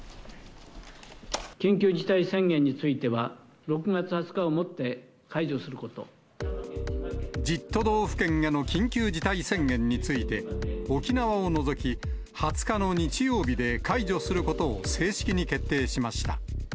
緊急事態宣言については、１０都道府県への緊急事態宣言について、沖縄を除き、２０日の日曜日で解除することを正式に決定しました。